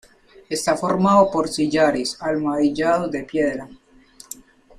Está formado por sillares almohadillados de piedra.